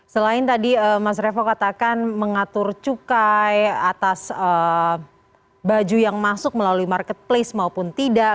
selain tadi mas revo katakan mengatur cukai atas baju yang masuk melalui marketplace maupun tidak